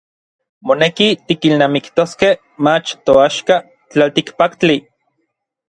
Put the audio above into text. Moneki tikilnamiktoskej mach toaxka tlaltikpaktli.